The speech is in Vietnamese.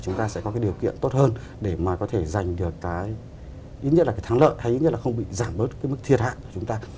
chúng ta sẽ có cái điều kiện tốt hơn để mà có thể giành được cái ít nhất là cái thắng lợi hay ít nhất là không bị giảm bớt cái mức thiệt hại của chúng ta